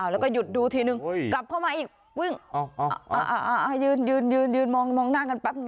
แล้วก็หยุดดูทีนึงกลับเข้ามาอีกวิ่งยืนมองหน้ากันแป๊บนึ